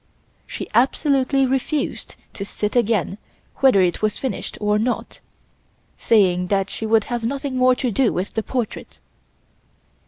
She absolutely refused to sit again whether it was finished or not, saying that she would have nothing more to do with the portrait.